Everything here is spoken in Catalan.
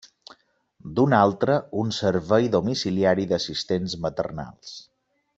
D'una altra, un servei domiciliari d'assistents maternals.